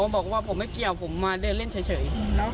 บอกว่าผมไม่เกี่ยวผมมาเดินเล่นเฉย